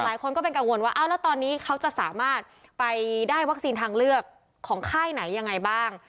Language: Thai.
หลายคนก็เป็นกังวลว่าแล้วตอนนี้เขาจะสามารถไปได้วัคซีนทางเลือกของค่ายไหนยังไงบ้าง